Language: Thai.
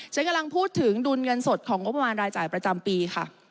ฉันกำลังพูดถึงดุลเงินสดของงบประมาณรายจ่ายประจำปีค่ะ